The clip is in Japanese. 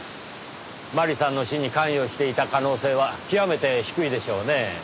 麻里さんの死に関与していた可能性は極めて低いでしょうねぇ。